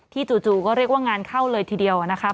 จู่ก็เรียกว่างานเข้าเลยทีเดียวนะครับ